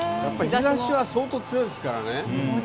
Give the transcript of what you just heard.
日差しは相当強いですからね。